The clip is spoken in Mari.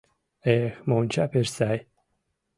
— Эх, монча пеш сай!